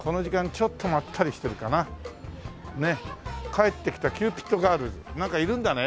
「帰ってきたキューピッドガールズ」なんかいるんだね？